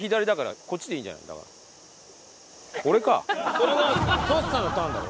それはトシさんのターンだろ。